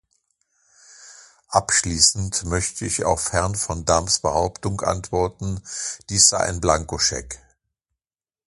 Abschließend möchte ich auf Herrn van Dams Behauptung antworten, dies sei ein Blankoscheck.